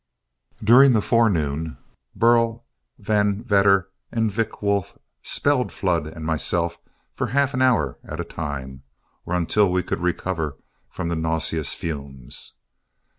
During the forenoon Burl Van Vedder and Vick Wolf "spelled" Flood and myself for half an hour at a time, or until we could recover from the nauseous fumes.